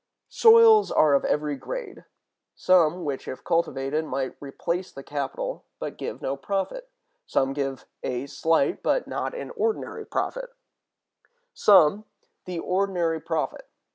Soils are of every grade: some, which if cultivated, might replace the capital, but give no profit; some give a slight but not an ordinary profit; some, the ordinary profit.